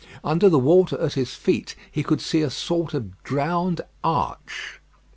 Under the water at his feet he could see a sort of drowned arch.